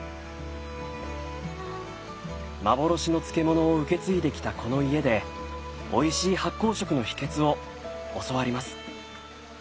幻の漬物を受け継いできたこの家でおいしい発酵食の秘けつを教わります。